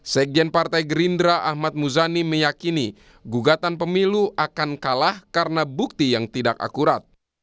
sekjen partai gerindra ahmad muzani meyakini gugatan pemilu akan kalah karena bukti yang tidak akurat